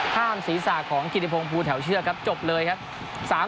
ศีรษะของกิติพงศ์ภูแถวเชือกครับจบเลยครับ